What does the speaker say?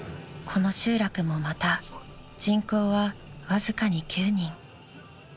［この集落もまた人口はわずかに９人］